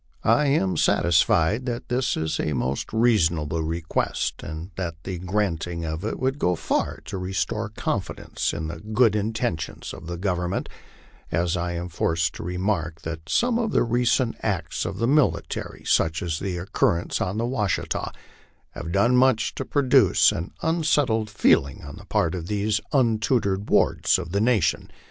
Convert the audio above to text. I am satisfied that this is a most reasonable request, and that the granting of it would go far to restore confidence in the good intentions of the Government, as I am forced to remark that some of the recent acts of the military, such as the occurrence on the Washita, have done much to produce an unsettled feeling on the part of these untutored wards of the nation.